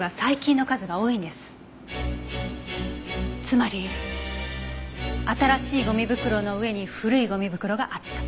つまり新しいゴミ袋の上に古いゴミ袋があった。